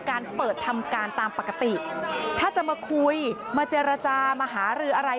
การเปิดทำการตามปกติถ้าจะมาคุยมาเจรจามาหารืออะไร